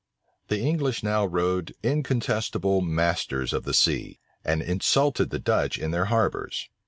The English now rode incontestable masters of the sea, and insulted the Dutch in their harbors.